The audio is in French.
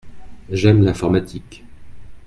J’aime l’informatique.